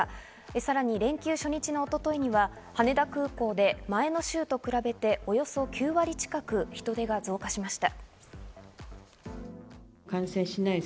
さらに連休初日の一昨日には羽田空港で前の週と比べて、およそ９割近く人出が増加しました。